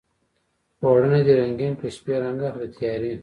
پوړونی دې رنګین کړه شپې رنګ اخلي د تیارې